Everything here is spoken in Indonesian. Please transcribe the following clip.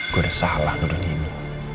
gua udah salah menurut nini